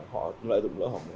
họ lại dùng lỡ hổng